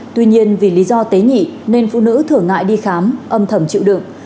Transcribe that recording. tuy nhiên vì lý do tế nhị nên phụ nữ thường ngại đi khám âm thầm chịu đựng